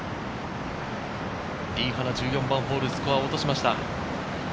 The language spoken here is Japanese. リ・ハナ、１４番ホール、スコアを落としました。